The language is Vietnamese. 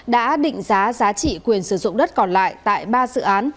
đã định giá giá trị quyền sử dụng đất còn lại tại ba dự án